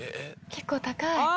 結構高い。